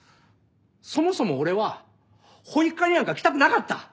そもそも俺は保育課になんか来たくなかった！